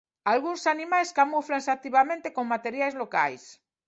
Algúns animais camúflanse activamente con materiais locais.